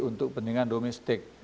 untuk pendingan domestik